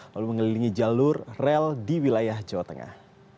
lalu mengelilingi jalur rel di wilayah jawa tengah